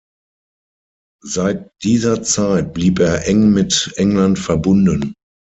Seit dieser Zeit blieb er eng mit England verbunden.